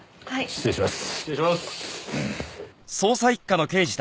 失礼します！